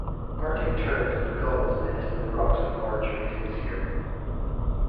Arctic terns and gulls nest in the rocks of Margerie Glacier.